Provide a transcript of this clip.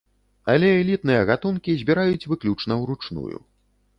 Але элітныя гатункі збіраюць выключна ўручную.